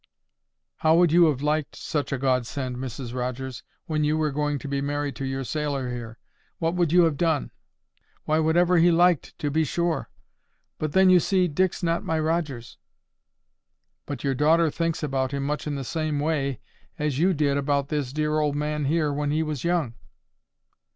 "How would you have liked such a Godsend, Mrs Rogers, when you were going to be married to your sailor here? What would you have done?" "Why, whatever he liked to be sure. But then, you see, Dick's not my Rogers." "But your daughter thinks about him much in the same way as you did about this dear old man here when he was young."